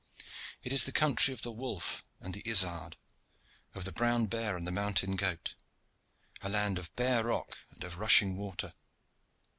It is the country of the wolf and the isard, of the brown bear and the mountain goat, a land of bare rock and of rushing water.